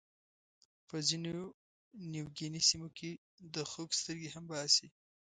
په ځینو نیوګیني سیمو کې د خوک سترګې هم باسي.